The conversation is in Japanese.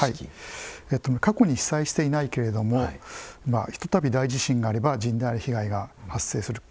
過去に被災していないけれどもひとたび大地震があれば甚大な被害が発生する可能性がある。